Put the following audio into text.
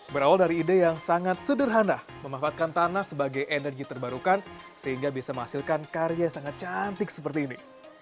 berawal dari ide yang sangat sederhana memanfaatkan tanah sebagai energi terbarukan sehingga bisa menghasilkan karya yang sangat cantik seperti ini